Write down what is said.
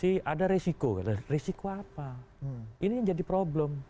di situ ada resiko resiko apa ini yang jadi problem